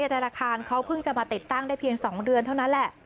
ธนาคารเขาเพิ่งจะมาติดตั้งได้เพียง๒เดือนเท่านั้นแหละ